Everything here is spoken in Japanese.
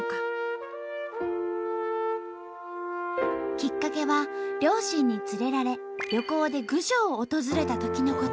きっかけは両親に連れられ旅行で郡上を訪れたときのこと。